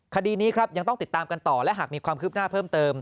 คดีนี้ครับยังต้องติดตามกันต่อและหากมีความคืบหน้าเพิ่มเติม